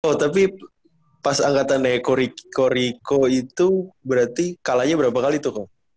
oh tapi pas angkatan eko riko itu berarti kalahnya berapa kali tuh